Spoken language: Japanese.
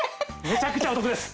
めちゃくちゃお得です！